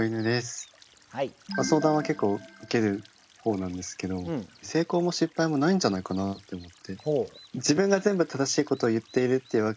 相談は結構受ける方なんですけど成功も失敗もないんじゃないかなと思って。